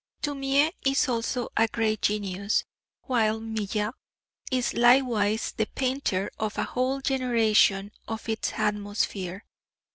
Daumier is also a great genius, while Millet is likewise the painter of a whole generation and of its atmosphere.